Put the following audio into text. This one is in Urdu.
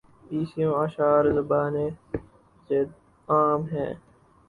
بیسیوں اشعار زبانِ زدِ عام ہیں